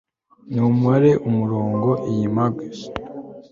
Numubare umurongo iyi magus